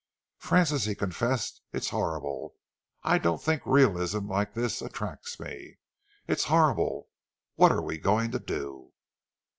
"Francis," he confessed, "it's horrible! I don't think realism like this attracts me. It's horrible! What are we going to do?"